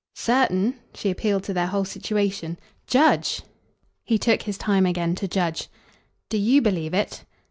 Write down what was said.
"Certain?" She appealed to their whole situation. "Judge!" He took his time again to judge. "Do YOU believe it?"